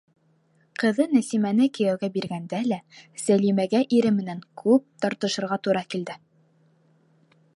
Ҡыҙы Нәсимәне кейәүгә биргәндә лә Сәлимәгә ире менән күп тартышырға тура килде.